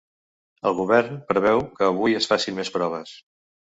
El govern preveu que avui es facin més proves.